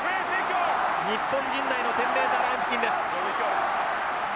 日本陣内の１０ｍライン付近です。